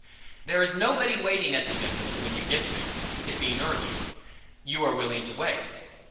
There is nobody waiting at the dentist's when you get there, it being early. You are willing to wait.